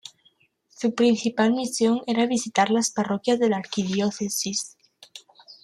Su principal misión era visitar las parroquias de la arquidiócesis.